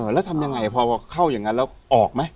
แล้วทำยังไงพอเข้าอย่างนั้นแล้วออกไหม